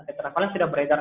tetravalent sudah beredar